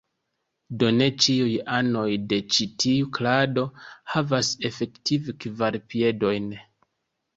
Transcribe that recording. Do ne ĉiuj anoj de ĉi tiu klado havas efektive kvar piedojn.